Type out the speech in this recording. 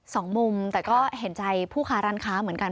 สองมุมแต่ก็เห็นใจผู้ค้าร้านค้าเหมือนกัน